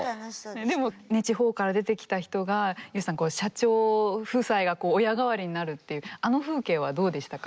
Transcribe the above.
でも地方から出てきた人がＹＯＵさん社長夫妻が親代わりになるっていうあの風景はどうでしたか？